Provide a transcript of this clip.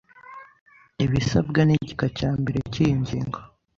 ibisabwa n igika cya mbere cy iyi ngingo